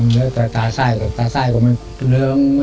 แต่ตาใส่ยังลืองเ